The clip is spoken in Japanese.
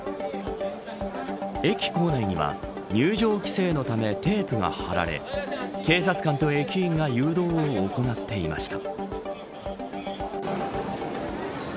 駅構内には入場規制のためテープが張られ警察官と駅員が誘導を行っていました。